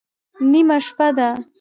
_نيمه شپه ده.